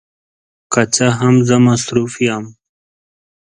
که څه هم، زه مصروف یم.